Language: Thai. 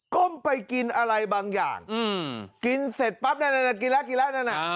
ก้มไปกินอะไรบางอย่างกินเสร็จปั๊บนั่นกินแล้วนั่น